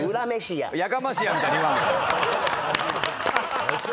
「やかましいわ」みたいに言わんでええ。